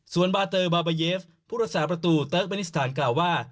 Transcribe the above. ส่วนบาเตอร์บาบาเยฟผู้รักษาประตูเติร์กเมนิสถานกล่าวว่า